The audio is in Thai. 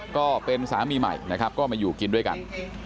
ก็เป็นสามีใหม่นะครับก็มาอยู่กินด้วยกัน